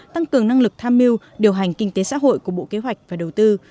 tăng cường năng lực tham mưu điều hành kinh tế xã hội của bộ kế hoạch và đầu tư